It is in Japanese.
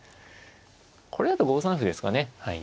これだと５三歩ですかね。